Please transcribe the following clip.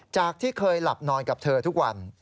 จากที่เคยหลับนอนกับเธอทุกวัน